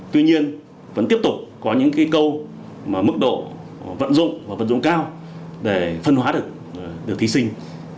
tuy nhiên vẫn tiếp tục có những cái câu mà mức độ vận dụng và vận dụng cao để phân hóa được thí sinh